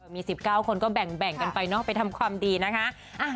มี๑๙คนก็แบ่งกันไปเนาะไปทำความดีนะคะ